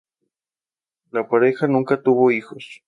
La pareja nunca tuvo hijos.